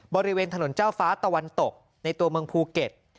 บริเวณถนนเจ้าฟ้าตะวันตกในตัวเมืองภูเก็ต